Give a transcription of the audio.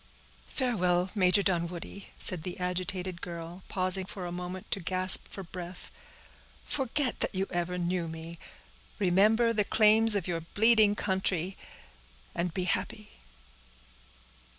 "Farewell, Major Dunwoodie," said the agitated girl, pausing for a moment to gasp for breath; "forget that you ever knew me—remember the claims of your bleeding country; and be happy."